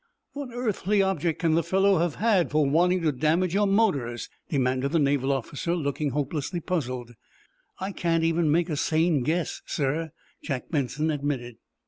"What earthly object can the fellow have had for wanting to damage your motors?" demanded the naval officer, looking hopelessly puzzled. "I can't even make a sane guess, sir," Jack Benson admitted.